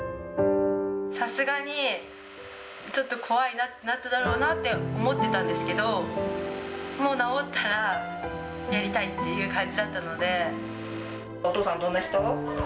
さすがに、ちょっと怖いなって、なっただろうなって思ってたんですけど、もう治ったら、やりたいお父さんどんな人？